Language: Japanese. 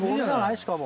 しかも。